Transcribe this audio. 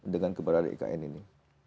dengan keberadaan ikn ini